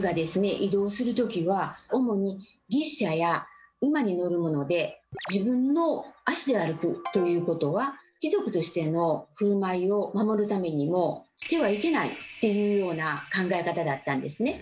移動する時は自分の足で歩くということは貴族としての振る舞いを守るためにもしてはいけないっていうような考え方だったんですね。